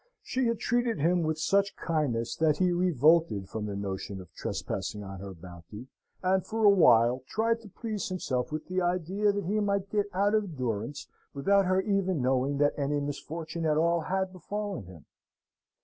She had treated him with so much kindness that he revolted from the notion of trespassing on her bounty, and for a while tried to please himself with the idea that he might get out of durance without her even knowing that any misfortune at all had befallen him.